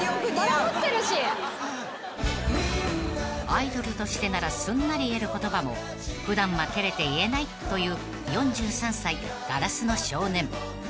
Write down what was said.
［アイドルとしてならすんなり言える言葉も普段は照れて言えないという４３歳硝子の少年］